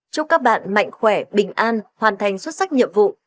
chúc các bạn mạnh khỏe bình an hoàn thành xuất sắc nhiệm vụ